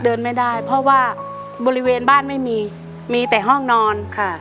เดินไม่ได้เพราะว่าบริเวณบ้านไม่มีมีแต่ห้องนอนค่ะ